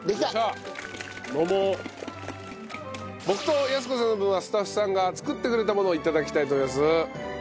僕と也寸子さんの分はスタッフさんが作ってくれたものを頂きたいと思います。